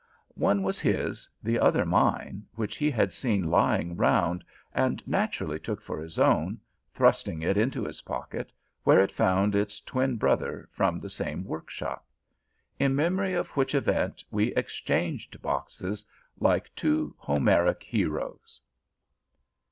One was his, the other mine, which he had seen lying round, and naturally took for his own, thrusting it into his pocket, where it found its twin brother from the same workshop. In memory of which event, we exchanged boxes, like two Homeric heroes.